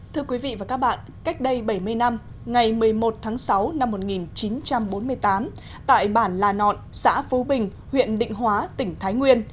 thưa quý vị và các bạn cách đây bảy mươi năm ngày một mươi một tháng sáu năm một nghìn chín trăm bốn mươi tám tại bản là nọn xã phú bình huyện định hóa tỉnh thái nguyên